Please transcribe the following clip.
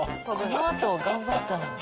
このあと頑張ったのに。